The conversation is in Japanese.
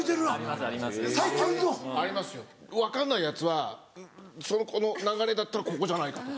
ありますよ分かんないやつはこの流れだったらここじゃないかとか。